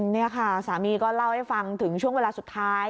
นี่ค่ะสามีก็เล่าให้ฟังถึงช่วงเวลาสุดท้าย